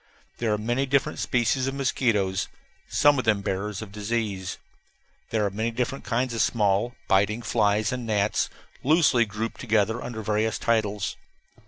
There are many different species of mosquitoes, some of them bearers of disease. There are many different kinds of small, biting flies and gnats, loosely grouped together under various titles.